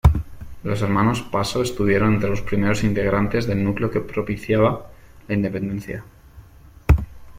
Los hermanos Paso estuvieron entre los primeros integrantes del núcleo que propiciaba la independencia.